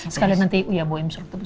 sekali nanti uyaboyem suruh tebus